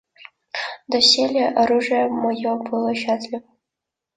Доселе оружие мое было счастливо.